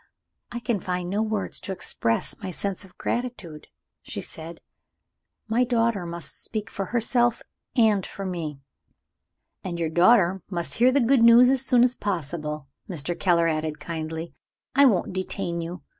"I can find no words to express my sense of gratitude," she said; "my daughter must speak for herself and for me." "And your daughter must hear the good news as soon as possible," Mr. Keller added kindly. "I won't detain you.